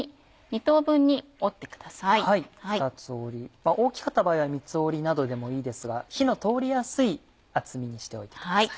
二つ折り大きかった場合は三つ折りなどでもいいですが火の通りやすい厚みにしておいてください。